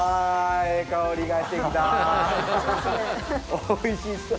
おいしそう！